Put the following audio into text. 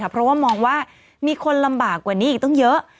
เพราะว่ามองว่ามีคนลำบากกว่านี้อีกตั้งเยอะ